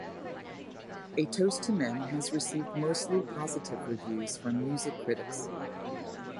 "A Toast to Men" has received mostly positive reviews from music critics.